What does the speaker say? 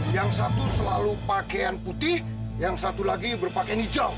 yang satu selalu pakaian putih yang satu lagi berpakaian hijau